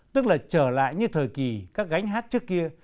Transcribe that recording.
tức là trở lại như thời kỳ các gánh hát trước kia